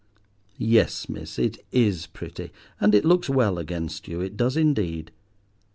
Yes, miss, it is pretty and it looks well against you: it does indeed.